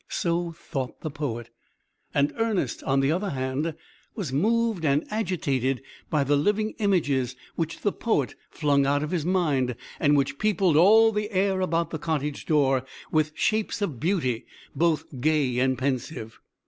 So thought the poet. And Ernest, on the other hand, was moved and agitated by the living images which the poet flung out of his mind, and which peopled all the air about the cottage door with shapes of beauty, both gay and pensive.